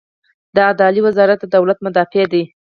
د عدلیې وزارت د دولت مدافع دی